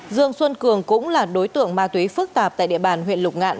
dương xuân cường cũng là đối tượng ma túy phức tạp tại địa bàn huyện lục ngạn